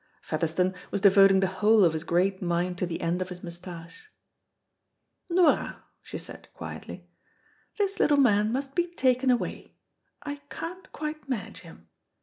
Featherstone was devoting the whole of his great mind to the end of his moustache. "Nora," she said, quietly, "this little man must be taken away. I can't quite manage him.